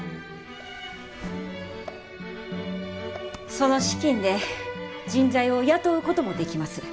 その資金で人材を雇うこともできます。